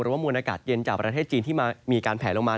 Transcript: ว่ามวลอากาศเย็นจากประเทศจีนที่มีการแผลลงมา